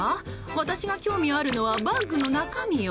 私が興味あるのはバッグの中身よ。